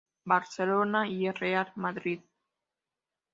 Barcelona y el Real Madrid.